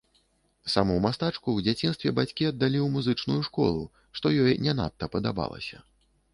Саму мастачку ў дзяцінстве бацькі аддалі ў музычную школу, што ёй не надта падабалася.